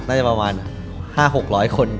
น่าจะประมาณ๕๖๐๐คน